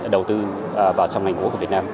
đầu tư vào trong ngành gỗ của việt nam